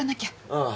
ああ。